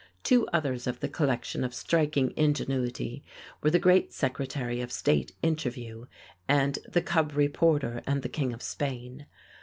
Two others of the collection of striking ingenuity were "The Great Secretary of State Interview" and "The Cub Reporter and the King of Spain."